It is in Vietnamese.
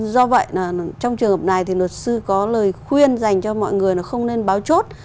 do vậy trong trường hợp này luật sư có lời khuyên dành cho mọi người không nên báo chốt